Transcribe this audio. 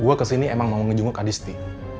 gue kesini emang mau ngejenguk adisti